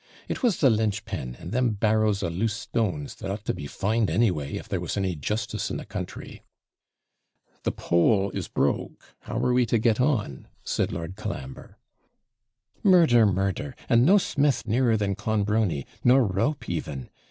It was the linch pin, and them barrows of loose stones, that ought to be fined anyway, if there was any justice in the country.' 'The pole is broke; how are we to get on?' said Lord Colambre. 'Murder! murder! and no smith nearer than Clonbrony; nor rope even.